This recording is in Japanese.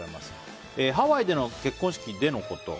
ハワイでの結婚式でのこと。